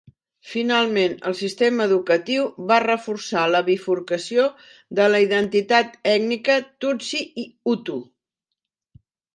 Finalment, el sistema educatiu va reforçar la bifurcació de la identitat ètnica tutsi i hutu.